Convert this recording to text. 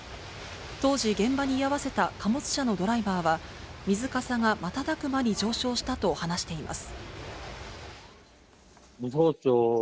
当時、現場に居合わせた貨物車のドライバーは、水かさが瞬く間に上昇したと話しています。